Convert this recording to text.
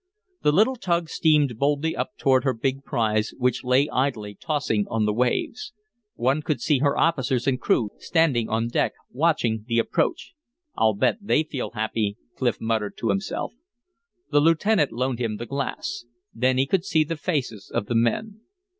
The little tug steamed up boldly toward her big prize, which lay idly tossing on the waves. One could see her officers and crew standing on deck watching the approach. "I'll bet they feel happy!" Clif muttered to himself. The lieutenant loaned him the glass. Then he could see the faces of the men.